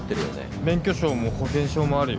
免許証も保険証もあるよ。